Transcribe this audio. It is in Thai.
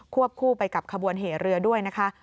วบคู่ไปกับขบวนเหเรือด้วยนะคะ